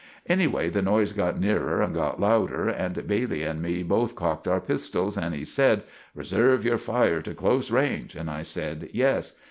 Anyway the noise got nearer and got louder, and Bailey and me both cocked our pistells, and he sed, "Reserve your fire to close range," and I sed, "Yes."